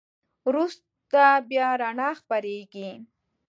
وروسته بیا رڼا خپرېږي.